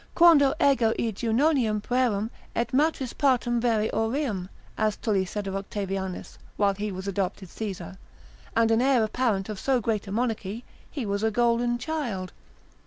Quando ego ie Junonium puerum, et matris partum vere aureum, as Tully said of Octavianus, while he was adopted Caesar, and an heir apparent of so great a monarchy, he was a golden child.